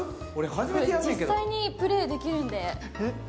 実際にプレーできるんで。